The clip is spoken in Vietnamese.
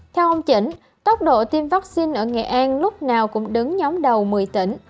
theo ông chỉnh tốc độ tiêm vaccine ở nghệ an lúc nào cũng đứng nhóm đầu một mươi tỉnh